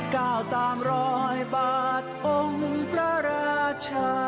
ก้าวตามร้อยบาทองค์พระราชา